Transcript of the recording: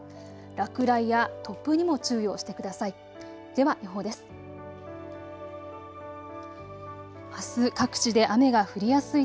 落雷や突風にも注意をしてください。